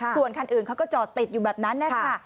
ส่วนคันอื่นเขาก็จอดติดอยู่แบบนั้นนะคะ